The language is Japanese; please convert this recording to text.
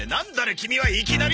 キミはいきなり！